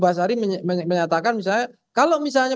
basari menyatakan misalnya kalau misalnya